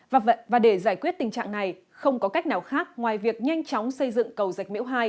và để giải quyết tình trạng này không có cách nào khác ngoài việc nhanh chóng xây dựng cầu dạch miễu hai